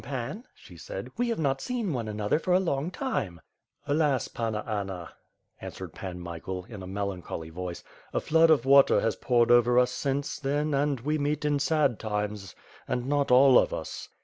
Pan," she said, "we have not seen one another for a long time." "Alas, Panna Anna," answered Pan Michael, in a melan choly voice, "a flood of water has poured over us since then and we meet in sad times and not all of us."